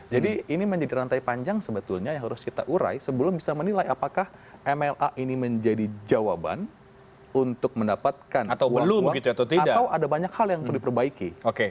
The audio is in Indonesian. jadi ini menjadi rantai panjang sebetulnya yang harus kita urai sebelum bisa menilai apakah mla ini menjadi jawaban untuk mendapatkan uang kuat atau ada banyak hal yang perlu diperbaiki